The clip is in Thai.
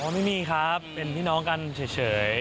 ไม่มีครับเป็นพี่น้องกันเฉย